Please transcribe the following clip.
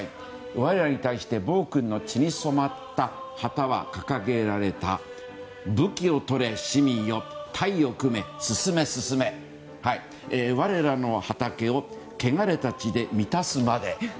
我らに対して暴君の血に染まった旗は掲げられた武器をとれ市民よ隊を組め、進め、進め我らの畑をけがれた血で満たすまで。